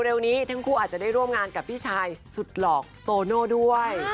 เร็วนี้ทั้งคู่อาจจะได้ร่วมงานกับพี่ชายสุดหลอกโตโน่ด้วย